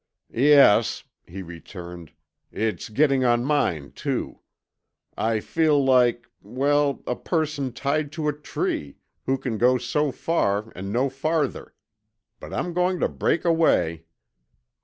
"Yes," he returned. "It's getting on mine, too. I feel like well, a person tied to a tree, who can go so far and no farther. But I'm going to break away."